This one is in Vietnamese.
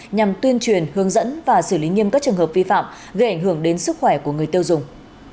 nhằm tuyên truyền hướng dẫn và xử lý nghiêm các trường hợp vi phạm gây ảnh hưởng đến sức khỏe của người tiêu dùng